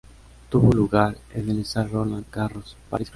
Tuvo lugar en el Stade Roland Garros, París, Francia.